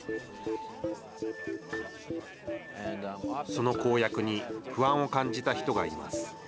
その公約に不安を感じた人がいます。